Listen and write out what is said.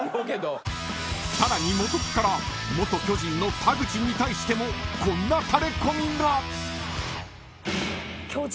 ［さらに元木から元巨人の田口に対してもこんなタレコミが］